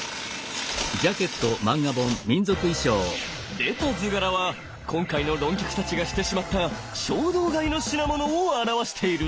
出た図柄は今回の論客たちがしてしまった衝動買いの品物を表している！